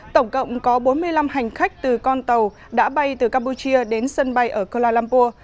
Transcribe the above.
tổng cộng có bốn mươi năm hành khách từ con tàu đã bay từ campuchia đến sân bay ở kuala lumpur